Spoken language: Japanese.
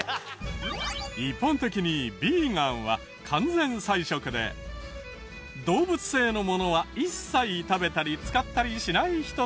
一般的にビーガンは完全菜食で動物性のものは一切食べたり使ったりしない人たち。